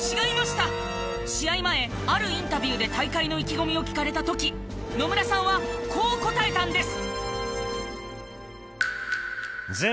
前あるインタビューで大会の意気込みを聞かれた時野村さんはこう答えたんです。